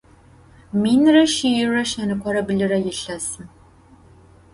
Minre şsiyre şsenıkhore blıre yilhesım.